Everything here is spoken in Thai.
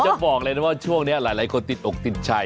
บอกเลยนะว่าช่วงนี้หลายคนติดอกติดใจ